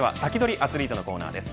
アツリートのコーナーです。